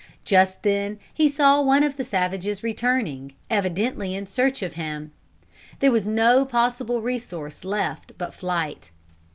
Just then he saw one of the savages returning, evidently in search of him. There was no possible resource left but flight.